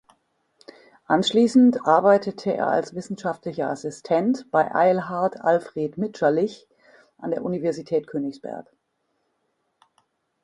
Anschließend arbeitete er als wissenschaftlicher Assistent bei Eilhard Alfred Mitscherlich an der Universität Königsberg.